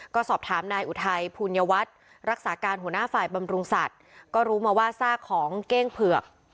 ก็สอบถามนายอุทัยภูมิยวัฒน์รักษาการหัวหน้าฝ่ายบำรุงสัตว์ก็รู้มาว่าซากของเก้งเผือก